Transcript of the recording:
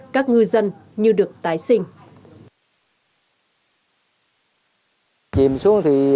các ngư dân như được tái sinh